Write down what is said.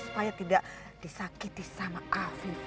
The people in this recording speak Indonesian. supaya tidak disakiti sama afi